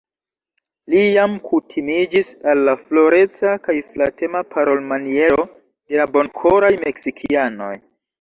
Li jam kutimiĝis al la floreca kaj flatema parolmaniero de la bonkoraj Meksikianoj.